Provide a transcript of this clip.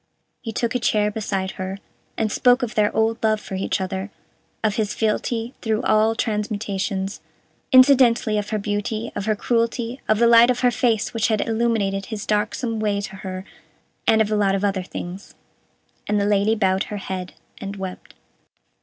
He took a chair beside her, and spoke of their old love for each other, of his fealty through all transmutations; incidentally of her beauty, of her cruelty, of the light of her face which had illumined his darksome way to her and of a lot of other things and the Lady bowed her head, and wept.